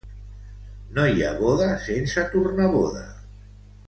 No hi ha boda sense tornaboda.